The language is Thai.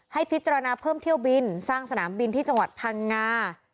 ให้พิจารณาเพิ่มเที่ยวบินสร้างสนามบินที่จังหวัดพังงา